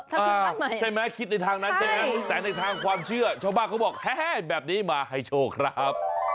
ถ้าคิดบ้านใหม่ใช่ไหมคิดในทางนั้นใช่ไหมแต่ในทางความเชื่อชาวบ้านเขาบอกแฮแบบนี้มาให้โชว์ครับ